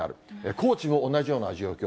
高知も同じような状況。